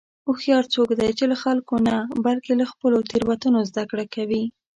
هوښیار څوک دی چې له خلکو نه، بلکې له خپلو تېروتنو زدهکړه کوي.